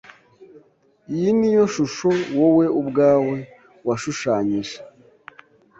Iyi niyo shusho wowe ubwawe washushanyije?